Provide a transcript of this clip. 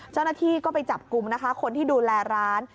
เจ้าหน้าที่ก็ไปจับกลุ่มนะคะคนที่ดูแลร้าน